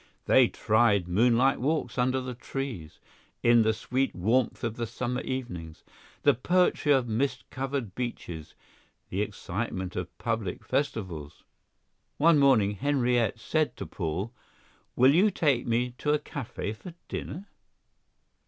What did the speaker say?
They tried moonlight walks under the trees, in the sweet warmth of the summer evenings: the poetry of mist covered beaches; the excitement of public festivals. One morning Henriette said to Paul: "Will you take me to a cafe for dinner?"